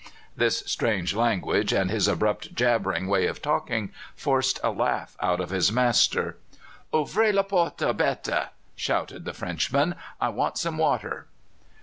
This strange language, and his abrupt, jabbering way of talking, forced a laugh out of his master. "Ouvrez la porte, bête!" shouted the Frenchman. "I want some water."